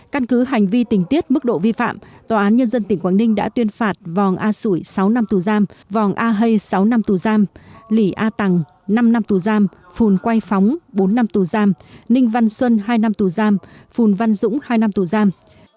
căn cứ hành vi tình tiết mức độ vi phạm tòa án nhân dân tỉnh quảng ninh đã tuyên phạt vòng a sủi sáu năm tù giam vòng a hây sáu năm tù giam lý a tằng năm năm tù giam phùn quay phóng bốn năm tù giam ninh văn xuân hai năm tù giam phùn văn dũng hai năm tù giam